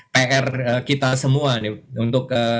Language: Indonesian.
pr kita semua untuk